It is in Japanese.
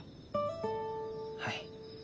はい。